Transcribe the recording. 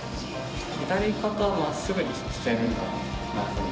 左肩をまっすぐにさせてるんだ。